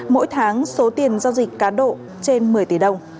mỗi tháng số tiền giao dịch cá độ trên một mươi tỷ đồng